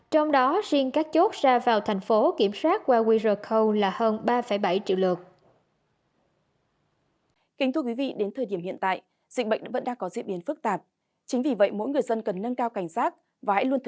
trong đó riêng các chốt ra vào thành phố kiểm soát qua quý rờ câu là hơn ba bảy triệu lượt